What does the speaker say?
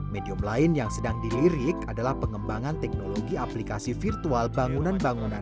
medium lain yang sedang dilirik adalah pengembangan teknologi aplikasi virtual bangunan bangunan